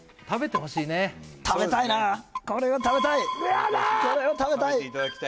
食べてほしいね食べたいなあこれが食べたいやだ！